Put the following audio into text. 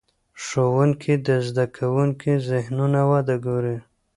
ښوونکي د زده کوونکو ذهني وده ګوري.